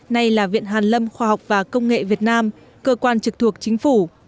nay là viện hàn lâm khoa học và công nghệ việt nam cơ quan trực thuộc chính phủ